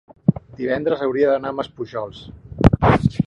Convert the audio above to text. divendres hauria d'anar a Maspujols.